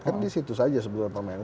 kan di situ saja sebenarnya pemenangnya